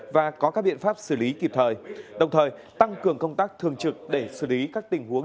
và có các biện pháp xử lý kịp thời đồng thời tăng cường công tác thường trực để xử lý các tình huống